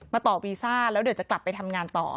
ต่อวีซ่าแล้วเดี๋ยวจะกลับไปทำงานต่อ